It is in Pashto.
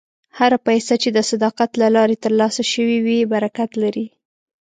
هره پیسه چې د صداقت له لارې ترلاسه شوې وي، برکت لري.